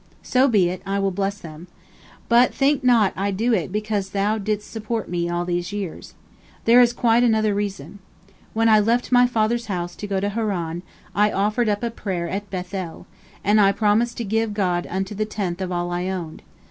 So be it, I will bless them. But think not I do it because thou didst support me all these years. There is quite another reason. When I left my father's house to go to Haran, I offered up a prayer at Beth el, and I promised to give unto God the tenth of all I owned.